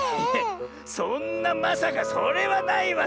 そんなまさかそれはないわ